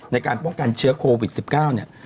ในการป้องกันเชื้อโควิด๑๙เนี่ย